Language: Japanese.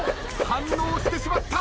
反応してしまった。